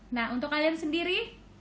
nah untuk kalian sendiri